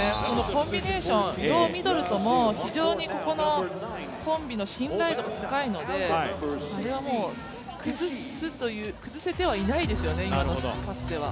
コンビネーション、両ミドルとも非常にここのコンビの信頼度が高いのであれはもう崩せてはいないですよね、今のパスでは。